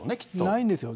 ないんですよ。